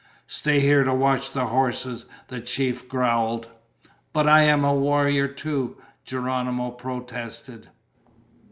"Stay here to watch the horses," the chief growled. "But I'm a warrior too!" Geronimo protested.